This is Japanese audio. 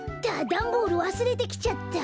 ダンボールわすれてきちゃった。